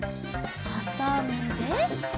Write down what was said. はさんで。